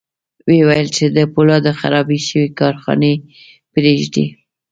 ويې ویل چې د پولادو خرابې شوې کارخانې پرېږدي